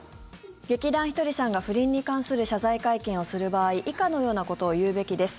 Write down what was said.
劇団ひとりさんが不倫に関する謝罪会見をする場合以下のようなことを言うべきです。